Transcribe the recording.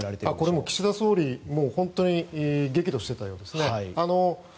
これは岸田総理は本当に激怒していたようですね。